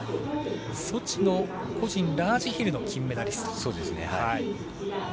ソチの個人ラージヒルの金メダリスト。